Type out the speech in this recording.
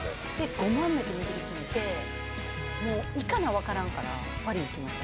５万だけ握りしめてもう行かなわからんからパリ行きました。